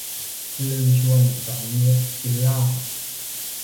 ลืมชวนสองเมตรกินเหล้า